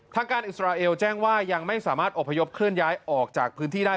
ทางการอิสราเอลแจ้งว่ายังไม่สามารถอบพยพเคลื่อนย้ายออกจากพื้นที่ได้